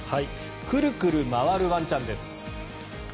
クルクル回るワンちゃんです。